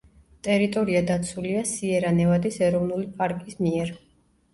ტერიტორია დაცულია სიერა-ნევადის ეროვნული პარკის მიერ.